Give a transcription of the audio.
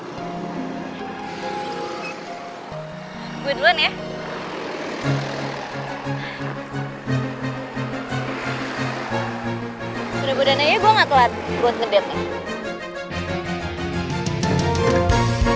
gue duluan ya